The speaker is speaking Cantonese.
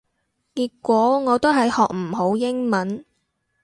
結果我都係學唔好英文